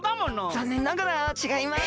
ざんねんながらちがいます。